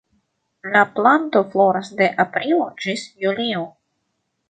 La planto floras de aprilo ĝis julio.